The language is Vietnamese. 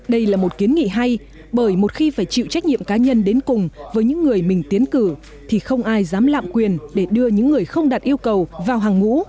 đây là một kiến nghị hay bởi một khi phải chịu trách nhiệm cá nhân đến cùng với những người mình tiến cử thì không ai dám lạm quyền để đưa những người không đạt yêu cầu vào hàng ngũ